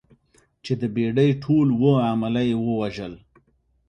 چې د بېړۍ ټول اووه عمله یې ووژل.